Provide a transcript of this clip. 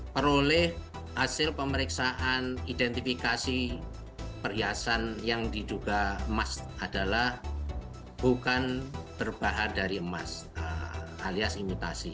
peroleh hasil pemeriksaan identifikasi perhiasan yang diduga emas adalah bukan berbahan dari emas alias imitasi